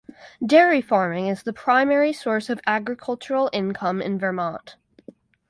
Dairy farming is the primary source of agricultural income in Vermont.